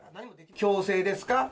強制ですか？